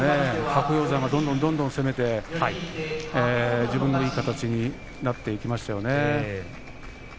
白鷹山がどんどんどんどん攻めて自分のいい形になっていきましたよね。